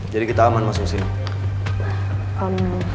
jadi kita aman masuk sini